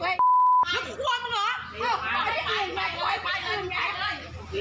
เอ้ยไปไปเลย